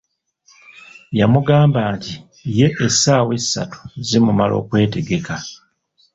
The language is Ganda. Yamugamba nti ye essaawa essatu zimumala okwetegekka.